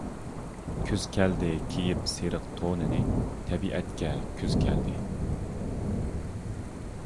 كۈز كەلدى كىيىپ سېرىق تونىنى، تەبىئەتكە كۈز كەلدى.